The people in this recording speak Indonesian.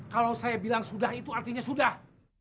kalau saya bilang sudah itu artinya sudah